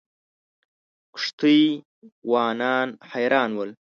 کښتۍ وانان حیران ول.